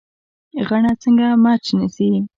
غڼه څنګه مچ نیسي؟